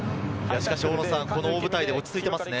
大舞台で落ち着いてますね。